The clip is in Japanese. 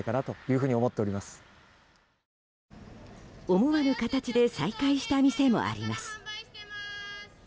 思わぬ形で再開した店もあります。